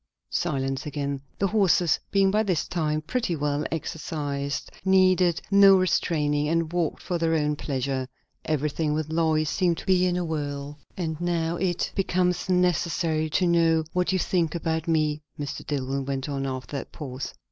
Silence again. The horses, being by this time pretty well exercised, needed no restraining, and walked for their own pleasure. Everything with Lois seemed to be in a whirl. "And now it becomes necessary to know what you think about me," Mr. Dillwyn went on, after that pause.